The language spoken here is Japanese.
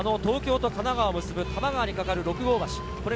東京都と神奈川を結ぶ、神奈川にかかる六郷橋、これが